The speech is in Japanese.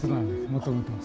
もともとは。